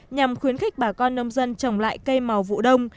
nhằm khuyến khích bà con nông dân trồng lại cây màu vụ đông